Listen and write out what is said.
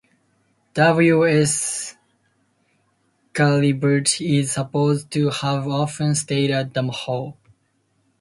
W. S. Gilbert is supposed to have often stayed at the Hall.